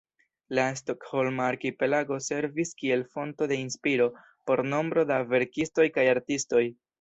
La Stokholma arkipelago servis kiel fonto de inspiro por nombro da verkistoj kaj artistoj.